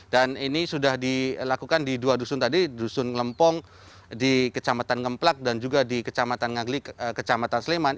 dan ini sudah dilakukan di dua dusun tadi dusun ngelempong di kecamatan ngeplak dan juga di kecamatan ngangli kecamatan sleman